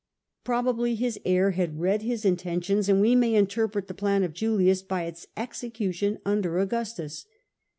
Probably his heir had read his intentions, and we may interpret the plan of Julius by its execution under Augustus.